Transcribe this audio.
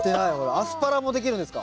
アスパラもできるんですか？